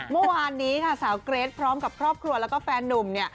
เมื่อวานนี้ค่ะสาวเกรทพร้อมกับครอบครัวแล้วก็แฟนนุ่มเนี่ย